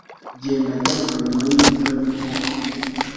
Genda garuka nyuma yimvura ninkuba